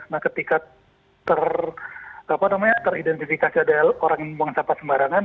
nah ketika teridentifikasi ada orang yang membuang sampah sembarangan